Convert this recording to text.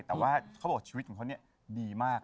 แต่ว่าเขาบอกว่าชีวิตของเขาเนี่ยดีมาก